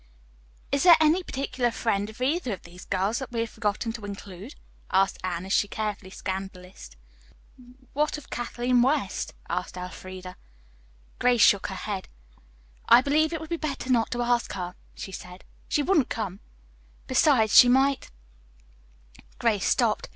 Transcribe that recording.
"Is there any particular friend of either of these girls that we have forgotten to include?" asked Anne, as she carefully scanned the list. "What of Kathleen West?" asked Elfreda. Grace shook her head. "I believe it would be better not to ask her," she said. "She wouldn't come; besides, she might " Grace stopped.